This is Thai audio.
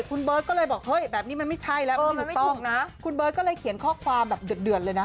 คุณเบิร์ดก็เลยบอกเฮ้ยแบบนี้มันไม่ใช่แล้วคุณเบิร์ดก็เลยเขียนข้อความแบบเดือดเลยนะ